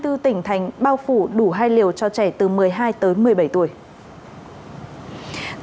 hai mươi bốn tỉnh thành bao phủ đủ hai liều cho trẻ từ một mươi hai tới một mươi bảy tuổi